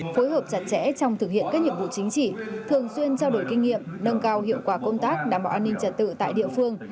phối hợp chặt chẽ trong thực hiện các nhiệm vụ chính trị thường xuyên trao đổi kinh nghiệm nâng cao hiệu quả công tác đảm bảo an ninh trật tự tại địa phương